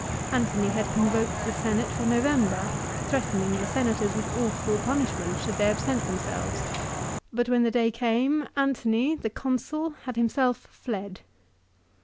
Antony had convoked the Senate for November, threatening the Senators with awful punishments should they absent themselves ; but when the day came, Antony, the Consul, had himself fled.